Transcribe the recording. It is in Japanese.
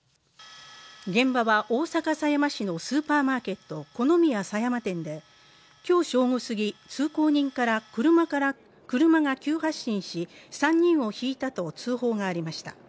現場は大阪狭山市のスーパーマーケット、コノミヤ狭山店で今日正午すぎ、通行人から車が急発進し、３人をひいたと通報がありました。